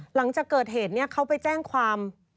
หลังจากเกิดเหตุนี้เขาไปแจ้งความ